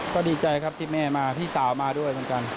ก็ดีใจครับที่แม่มาพี่สาวมาด้วยเหมือนกัน